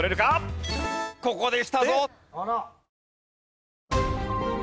ここできたぞ。